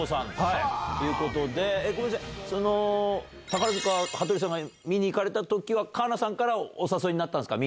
宝塚羽鳥さんが見に行かれた時は川名さんお誘いになったんすか？